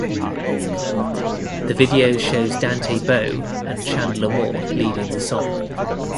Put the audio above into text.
The video shows Dante Bowe and Chandler Moore leading the song.